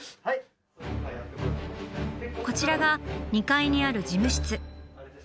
こちらが２階にある事務室。